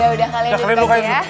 udah udah kalian ditunggu ya